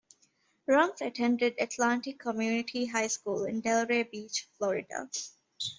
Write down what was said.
Rumph attended Atlantic Community High School in Delray Beach, Florida.